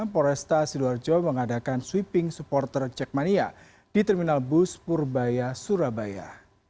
polresta sidoarjo mengadakan sweeping supporter jackmania di terminal bus purbaya surabaya